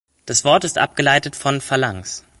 Das Wort ist abgeleitet von "Phalanx".